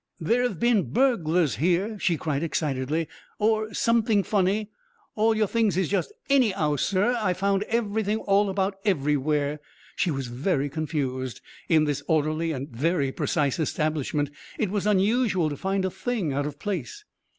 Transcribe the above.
"There've been burglars here," she cried excitedly, "or something funny! All your things is just any'ow, sir. I found everything all about everywhere!" She was very confused. In this orderly and very precise establishment it was unusual to find a thing out of place.